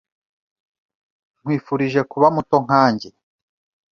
Nkwifurije kuba muto nkanjye.